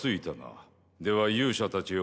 では勇者たちよ